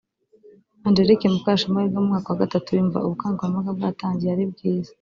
Angelique Mukashema wiga mu mwaka wa gatatu yumva ubukangurambaga bwatangiye ari bwiza